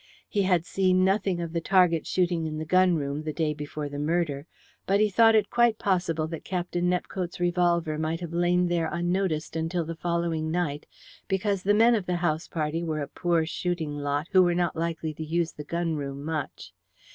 He had seen nothing of the target shooting in the gun room the day before the murder, but he thought it quite possible that Captain Nepcote's revolver might have lain there unnoticed until the following night, because the men of the house party were a poor shooting lot who were not likely to use the gun room much.